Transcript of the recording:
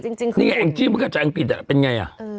นี่ไงเองจิ๊มตัวจ่ายเองปิดอ่ะเป็นไงอ่ะ